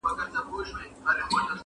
هم به مور هم به عالم درنه راضي وي؛